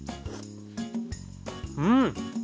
うん！